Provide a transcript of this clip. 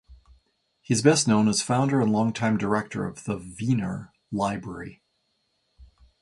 He is best known as founder and long-time director of the Wiener Library.